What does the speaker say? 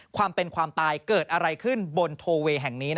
ความเป็นความตายเกิดอะไรขึ้นบนโทเวย์แห่งนี้